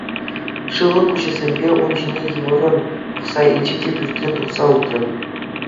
Шывлӑ куҫӗсемпе ун ҫине йывӑррӑн пӑхса илчӗ те пӱртрен тухса утрӗ.